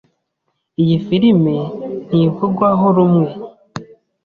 Iyi firime ntivugwaho rumwe.